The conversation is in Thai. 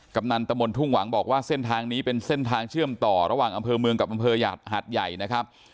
กำนันตมทุ่งหวังบอกว่าเส้นทางนี้เป็นเส้นทางเชื่อมต่อระหว่างอำเภอเมืองกับอำเภอหาดใหญ่นะครับ